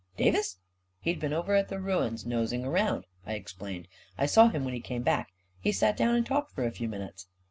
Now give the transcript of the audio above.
"Davis?" " He'd been over af the ruins nosing around," I explained. " I saw him when he came back. He sat down and talked for a few minutes."